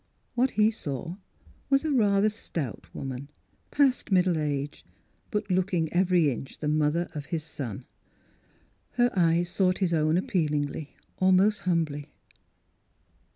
What he saw Avas a rather stout woman, past middle age, but looking every inch the mother of his son. Her eyes sought his own appealingly, almost humbly.